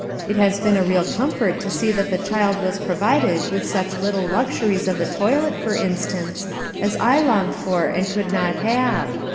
It has been a real comfort to see that the child was provided with such little luxuries of the toilet, for instance, as I longed for and could not have.